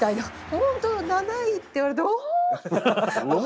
本当７位って言われて「おお！」って。